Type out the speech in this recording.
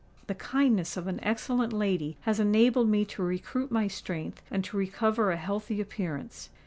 The kindness of an excellent lady has enabled me to recruit my strength and to recover a healthy appearance.